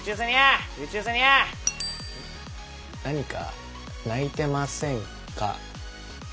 何か鳴いてませんか？